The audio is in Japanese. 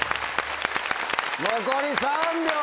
残り３秒！